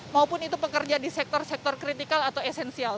maupun itu pekerja di sektor sektor kritikal atau esensial